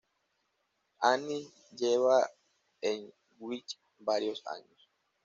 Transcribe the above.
Anys lleva en Twitch varios años.